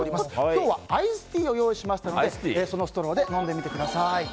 今日はアイスティーをご用意しましたのでそのストローで飲んでみてください。